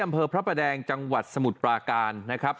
พระประแดงจังหวัดสมุทรปราการนะครับ